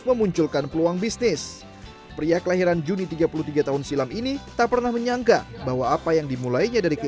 kenapa bisnis bersih bersih yang anda lihat